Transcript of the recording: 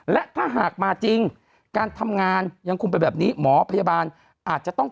และถ้าหากมาจริงการทำงานยังคงเป็นแบบนี้หมอพยาบาลอาจจะต้อง